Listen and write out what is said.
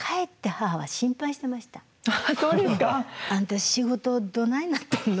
「あんた仕事どないなってんの？」